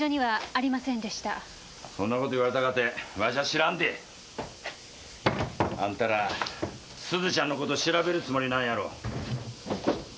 そんなこと言われたかてわしは知らんで。あんたらすずちゃんのこと調べるつもりなんやろ。